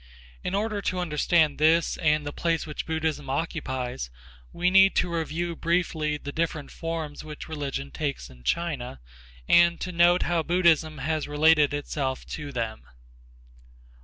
In order to understand this and the place which Buddhism occupies, we need to review briefly the different forms which religion takes in China and to note how Buddhism has related itself to them.